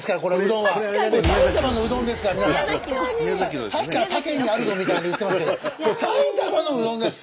そのさっきから他県にあるぞみたいに言ってますけどこれ埼玉のうどんです！